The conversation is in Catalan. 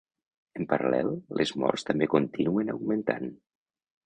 En paral·lel, les morts també continuen augmentant.